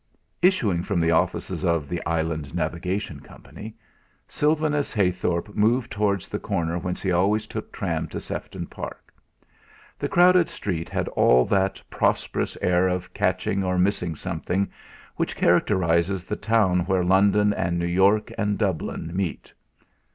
2 Issuing from the offices of "The Island Navigation Company," Sylvanus Heythorp moved towards the corner whence he always took tram to Sefton Park. The crowded street had all that prosperous air of catching or missing something which characterises the town where London and New York and Dublin meet.